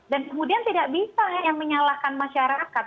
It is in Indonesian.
dan kemudian tidak bisa hanya menyalahkan masyarakat